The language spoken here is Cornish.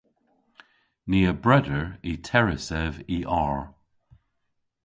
Ni a breder y terris ev y arr.